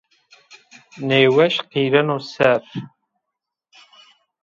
Nêweş qîreno ser